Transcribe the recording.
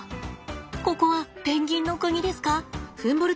ここはペンギンの国ですか？